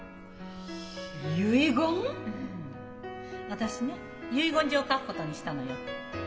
私ね遺言状書くことにしたのよ。